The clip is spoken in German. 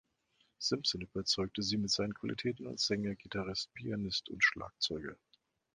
Simpson überzeugte sie mit seinen Qualitäten als Sänger, Gitarrist, Pianist und Schlagzeuger.